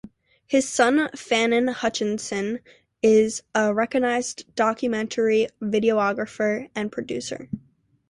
His son Fanon Hutchinson is a recognized documentary videographer and producer.